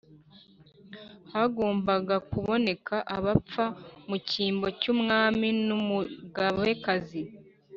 hagombaga kuboneka abapfa mu cyimbo cy’Umwami n’Umugabekazi.